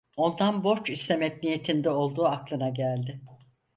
Ondan borç istemek niyetinde olduğu aklına geldi.